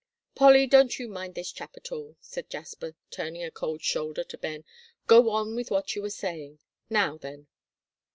"Polly, don't you mind this chap at all," said Jasper, turning a cold shoulder to Ben; "go on with what you were saying; now then."